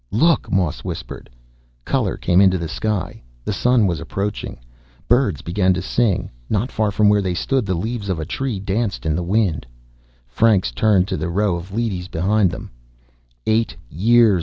"Look!" Moss whispered. Color came into the sky. The Sun was approaching. Birds began to sing. Not far from where they stood, the leaves of a tree danced in the wind. Franks turned to the row of leadys behind them. "Eight years.